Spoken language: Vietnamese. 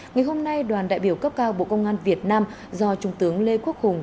ngày hôm nay đoàn đại biểu cấp cao bộ công an việt nam do trung tướng lê quốc hùng